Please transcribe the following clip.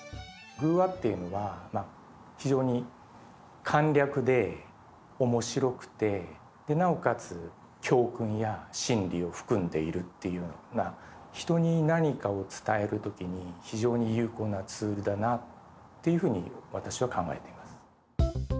寓話っていうのは非常に簡略でおもしろくてなおかつ教訓や真理を含んでいるというような人に何かを伝える時に非常に有効なツールだなって私は考えています。